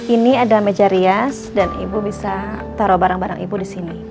ini ada meja rias dan ibu bisa taro barang barang ibu disini